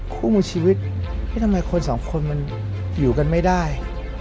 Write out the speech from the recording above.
คู่มือชีวิตทำไมคนสองคนมันอยู่กันไม่ได้